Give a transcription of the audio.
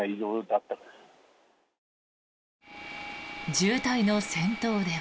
渋滞の先頭では。